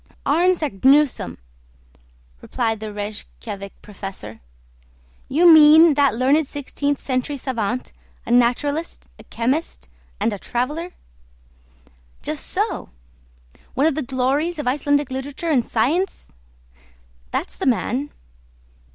"Arne Saknussemm!" replied the Rejkiavik professor. "You mean that learned sixteenth century savant, a naturalist, a chemist, and a traveller?" "Just so!" "One of the glories of Icelandic literature and science?" "That's the man."